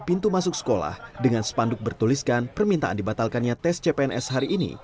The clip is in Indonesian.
pintu masuk sekolah dengan spanduk bertuliskan permintaan dibatalkannya tes cpns hari ini